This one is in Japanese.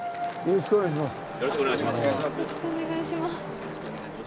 よろしくお願いします。